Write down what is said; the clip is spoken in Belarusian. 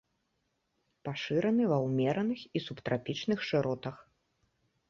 Пашыраны ва ўмераных і субтрапічных шыротах.